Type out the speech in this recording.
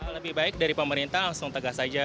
lebih baik dari pemerintah langsung tegas saja